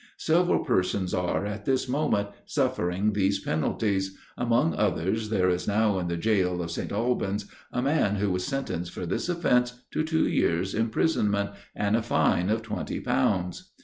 Several persons are, at this moment, suffering these penalties; among others, there is now in the gaol of St. Alban's, a man who was sentenced for this offence to two years' imprisonment, and a fine of twenty pounds.